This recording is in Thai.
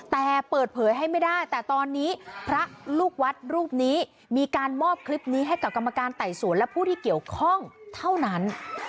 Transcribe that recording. แต่เปิดเผยให้ไม่ได้แต่ตอนนี้พระลูกวัดรูปนี้มีการมอบคลิปนี้ให้กับกรรมการไต่สวนและผู้ที่เกี่ยวข้องเท่านั้น